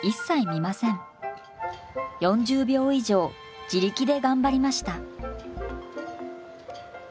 ４０秒以上自力で頑張りました。